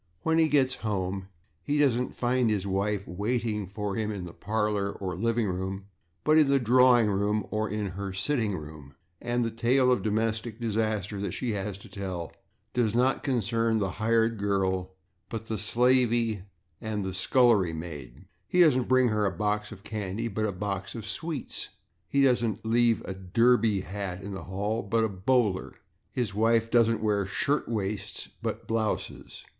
When he gets home, he doesn't find his wife waiting for him in the /parlor/ or /living room/, but in the /drawing room/ or in her /sitting room/, and the tale of domestic disaster that she has to tell does not concern the /hired girl/ but the /slavey/ and the /scullery maid/. He doesn't bring her a box of /candy/, but a box of /sweets/. He doesn't leave a /derby/ hat in the hall, but a /bowler/. His wife doesn't wear /shirtwaists/ but /blouses